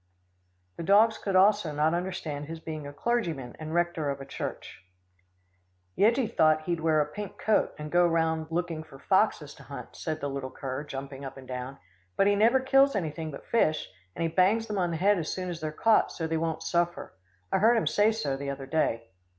The dogs also could not understand his being a clergyman and rector of a church. "Yeggie thought he'd wear a pink coat, and go round looking for foxes to hunt," said the little cur, jumping up and down, "but he never kills anything but fish, and he bangs them on the head as soon as they're caught so they won't suffer I heard him say so the other day."